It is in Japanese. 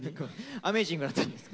アメージングになったんですか？